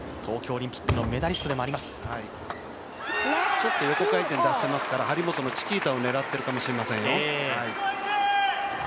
ちょっと横回転出していますから、張本のチキータを狙っているかもしれませんよ。